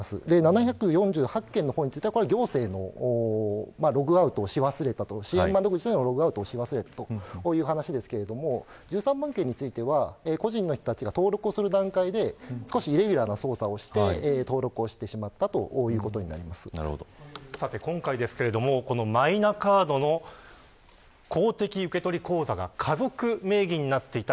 ７４８件の方は行政のログアウトをし忘れたと支援窓口でのログアウトをし忘れたという話ですが１３万件については個人の人たちが登録をする段階でイレギュラーの操作をして登録をしてしまった今回ですがマイナカードの公的受取口座が家族名義になっていた。